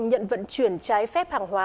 nhận vận chuyển trái phép hàng hóa